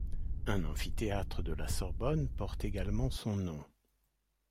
Un amphithéâtre de la Sorbonne porte également son nom.